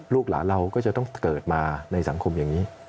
ลูกหลานเราก็จะต้องเกิดมาในสังคมอย่างนี้